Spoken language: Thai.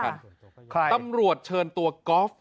ตำรวจเชิญตัวกอล์ฟ